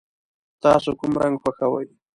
تاسو کوم رنګ خوښوئ؟